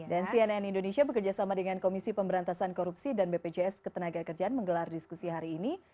dan cnn indonesia bekerjasama dengan komisi pemberantasan korupsi dan bpjs ketenagakerjaan menggelar diskusi hari ini